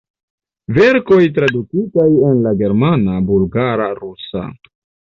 Verkoj tradukitaj en la germana, bulgara, rusa.